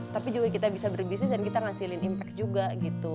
tapi juga kita bisa berbisnis dan kita ngasilin impact juga gitu